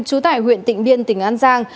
chú tải huyện tỉnh biên tỉnh an giang